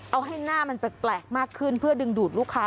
เอาให้หน้ามันแปลกมากขึ้นเพื่อดึงดูดลูกค้า